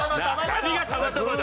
何が「たまたま」だ。